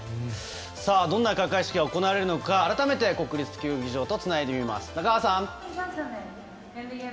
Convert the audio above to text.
どんな開会式が行われるか改めて国立競技場とつないでみます、中川さん。